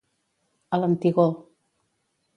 A l'antigor.